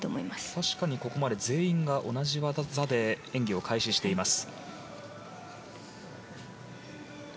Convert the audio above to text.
確かにここまで全員が同じ技で演技を開始しています。